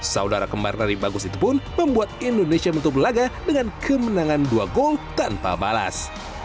saudara kembar nari bagus itu pun membuat indonesia menutup laga dengan kemenangan dua gol tanpa balas